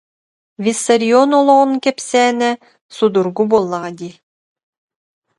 Виссарион олоҕун кэпсээнэ судургу буоллаҕа дии